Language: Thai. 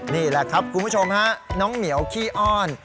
นี่แหละครับคุณผู้ชมฮะน้องเหมียวขี้อ้อน